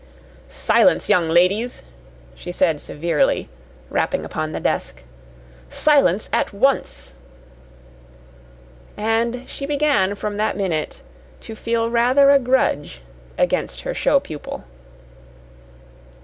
"Silence, young ladies!" she said severely, rapping upon the desk. "Silence at once!" And she began from that minute to feel rather a grudge against her show pupil.